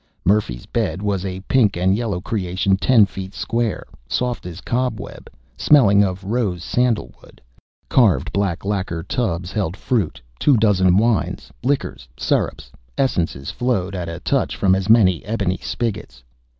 Murphy's bed was a pink and yellow creation ten feet square, soft as cobweb, smelling of rose sandalwood. Carved black lacquer tubs held fruit; two dozen wines, liquors, syrups, essences flowed at a touch from as many ebony spigots.